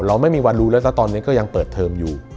ไม่มีวันรู้แล้วซะตอนนี้ก็ยังเปิดเทอมอยู่